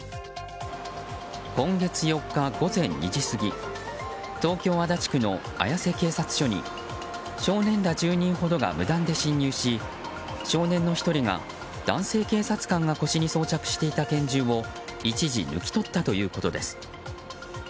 今月４日午前２時過ぎ東京・足立区の綾瀬警察署に少年ら１０人ほどが無断で侵入し少年の１人が男性警察官が腰に装着していた拳銃を一時抜き取ったということです。